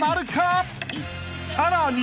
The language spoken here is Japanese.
［さらに］